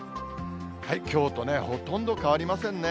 きょうとね、ほとんど変わりませんね。